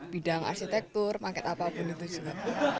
bidang arsitektur mangket apapun itu juga